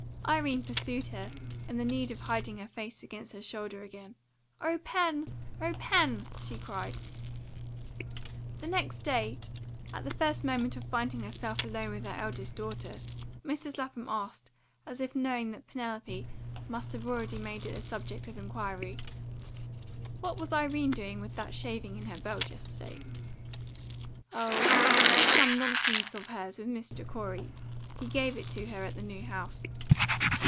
Irene pursued her, in the need of hiding her face against her shoulder again. "O Pen! O Pen!" she cried. The next day, at the first moment of finding herself alone with her eldest daughter, Mrs. Lapham asked, as if knowing that Penelope must have already made it subject of inquiry: "What was Irene doing with that shaving in her belt yesterday?" "Oh, just some nonsense of hers with Mr. Corey. He gave it to her at the new house."